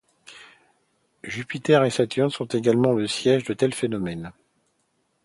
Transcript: Jupiter et Saturne sont également le siège d'un tel phénomène.